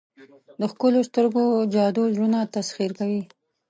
د ښکلو سترګو جادو زړونه تسخیر کوي.